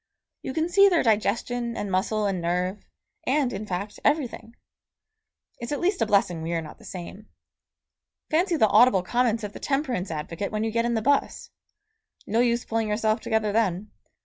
You can see their digestion and muscle and nerve, and, in fact, everything. It's at least a blessing we are not the same. Fancy the audible comments of the temperance advocate when you get in the bus! No use pulling yourself together then.